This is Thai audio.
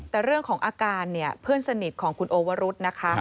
แต่เรื่องของอาการเนี่ยเพื่อนสนิทของคุณโอวรุธนะคะ